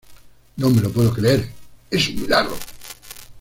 no me lo puedo creer. es un milagro.